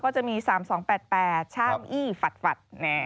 ก็จะมี๓๒๘๘ช่ามอี้ฝัดฝัด